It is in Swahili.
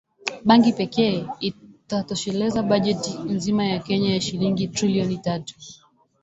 Bangi pekee itatosheleza bajeti nzima ya Kenya ya shilingi Trilioni tatu